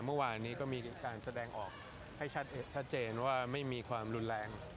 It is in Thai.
เมื่อวานนี้ก็มีการแสดงออกให้ชัดเจนว่าไม่มีความรุนแรง